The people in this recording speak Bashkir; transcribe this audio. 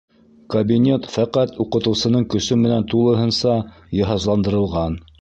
Кабинет фәҡәт уҡытыусының көсө менән тулыһынса йыһазландырылған.